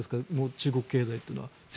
中国経済というのは。